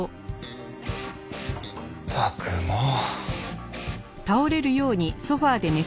ったくもう。